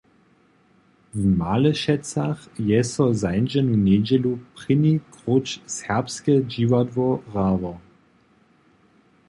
W Malešecach je so zańdźenu njedźelu prěni króć serbske dźiwadło hrało.